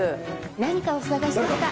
・何かお探しですか？